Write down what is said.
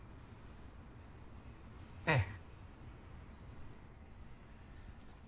ええ。